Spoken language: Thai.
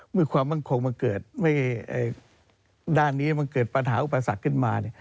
เมื่อความมั่นคงมันเกิดด้านนี้มันเกิดปัญหาอุปาศักดิ์ขึ้นมา